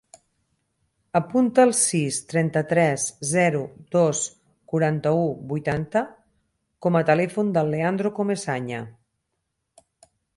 Apunta el sis, trenta-tres, zero, dos, quaranta-u, vuitanta com a telèfon del Leandro Comesaña.